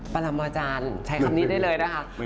พระอำมาตยานใช้คำนี้ได้เลยนะคะ